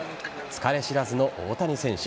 疲れ知らずの大谷選手。